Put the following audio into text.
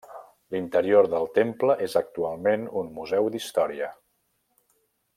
L'interior del temple és actualment un museu d'història.